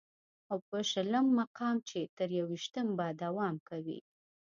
او په شلم مقام چې تر يوویشتمې به دوام کوي